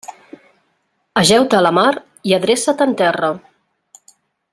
Ajeu-te a la mar i adreça't en terra.